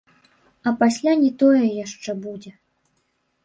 А пасля не тое яшчэ будзе.